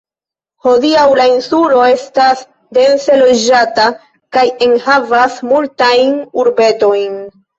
Hodiaŭ la insulo estas dense loĝata kaj enhavas multajn urbetojn.